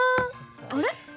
あれ？